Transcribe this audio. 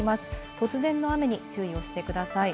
突然の雨に注意をしてください。